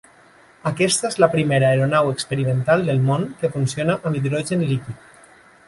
Aquesta és la primera aeronau experimental del món que funciona amb hidrogen liquid.